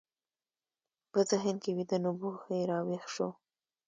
په ذهن کې ویده نبوغ یې راویښ شو